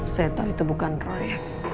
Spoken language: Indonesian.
saya tahu itu bukan roy